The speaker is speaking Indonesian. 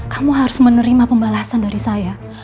kamu harus menerima pembalasan dari saya